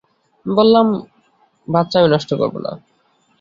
আমি বললাম, বাচ্চা আমি নষ্ট করব না।